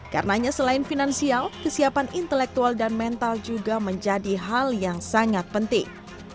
karenanya selain finansial kesiapan intelektual dan mental juga menjadi hal yang sangat penting